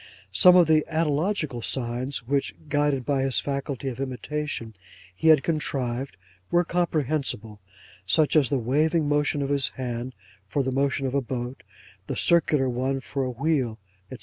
'Some of the analogical signs which (guided by his faculty of imitation) he had contrived, were comprehensible; such as the waving motion of his hand for the motion of a boat, the circular one for a wheel, &c.